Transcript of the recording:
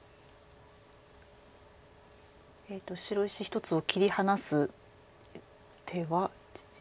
白石１つを切り離す手は。